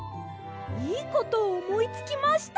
いいことをおもいつきました！